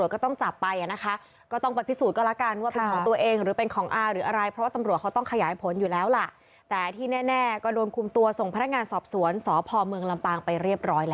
ก็ถึงต้องจัดการ